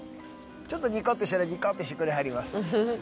ちょっとニコってしたらニコってしてくれはります。